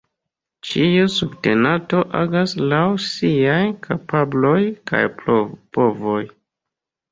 Ĉiu subtenato agas laŭ siaj kapabloj kaj povoj.